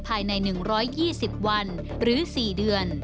ภายใน๑๒๐วันหรือ๔เดือน